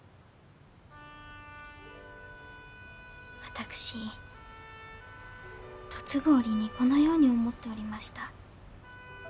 私嫁ぐ折にこのように思っておりました。